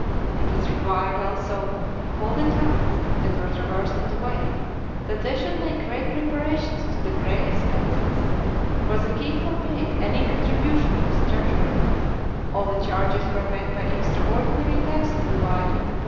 It was required also of all the towns that were traversed on the way, that they should make great preparations to defray expenses, for the king forbade any contribution from the treasury: all the charges were met by extraordinary taxes levied on the poor."